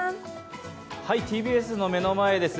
ＴＢＳの目の前です。